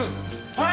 はい！